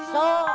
kenapa gok beli